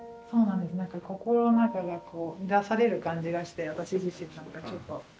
心の中が乱される感じがして私自身なんかちょっと。